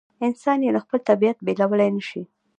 انسان یې له خپل طبیعت بېلولای نه شي.